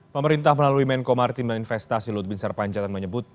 pemerintah melalui menko marti meninvestasi lutbinsar panjatan menyebut